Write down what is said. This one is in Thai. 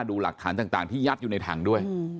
ดูหลักฐานต่างที่ยัดอยู่ในถังด้วย